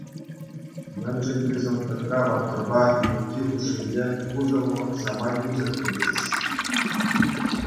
Мӗншӗн тесен Кӑтра-паттӑрпа Тукки хушшинче пушӑ вӑхӑт самай пысӑк, тетчӗҫ.